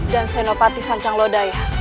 dan senopati sancanglodaya